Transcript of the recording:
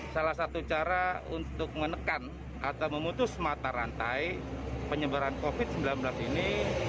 salah satu cara untuk menekan atau memutus mata rantai penyebaran covid sembilan belas ini